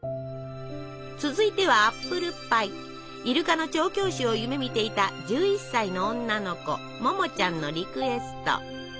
続いてはイルカの調教師を夢みていた１１歳の女の子ももちゃんのリクエスト。